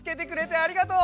ありがとう。